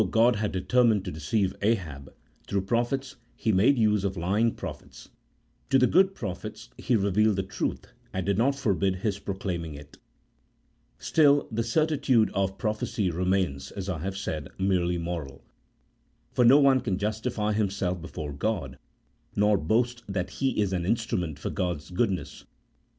29 God had determined to deceive Ahab, through prophets, He made use of lying prophets ; to the good prophet He revealed the truth, and did not forbid his proclaiming it. Still the certitude of prophecy remains, as I have said, merely moral ; for no one can justify himself before God, nor boast that he is an instrument for God's goodness.